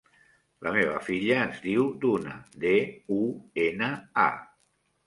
La meva filla es diu Duna: de, u, ena, a.